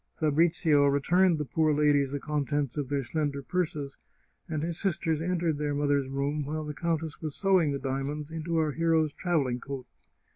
Fabrizio returned the poor ladies the contents of their slender purses, and his sisters entered their mother's room while the countess was sewing the diamonds into our hero's travelling coat.